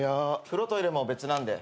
風呂トイレも別なんで。